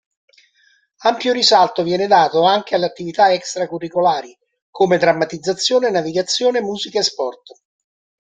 Ampio risalto viene dato anche alle attività extra-curriculari, come drammatizzazione, navigazione, musica e sport.